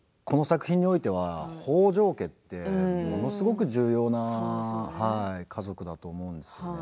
この作品においては北条家というのはものすごく重要な家族だと思うんです。